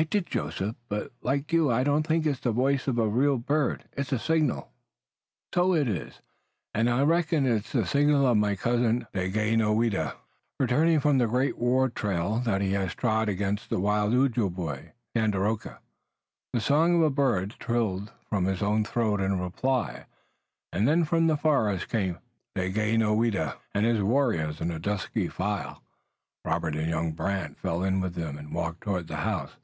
"I did, Joseph, but like you I don't think it's the voice of a real bird. It's a signal." "So it is, and unless I reckon ill it's the signal of my cousin Daganoweda, returning from the great war trail that he has trod against the wild Ojibway, Tandakora." The song of a bird trilled from his own throat in reply, and then from the forest came Daganoweda and his warriors in a dusky file. Robert and young Brant fell in with them and walked toward the house.